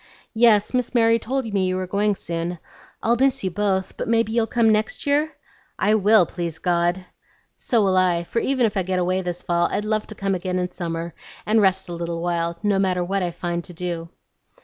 "Yes, Miss Mary told me you were going soon. I'll miss you both, but maybe you'll come next year?" "I will, please God!" "So will I; for even if I get away this fall, I'd love to come again in summer and rest a little while, no matter what I find to do."